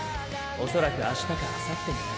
恐らく明日かあさってになる。